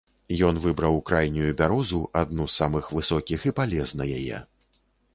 Ён выбраў крайнюю бярозу, адну з самых высокіх, і палез на яе.